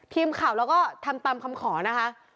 ทีมข่าวเราก็ทำตามคำขอนะคะ